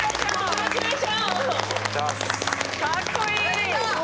かっこいい。